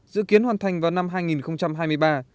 dự kiến hoàn thành vào năm hai nghìn hai mươi ba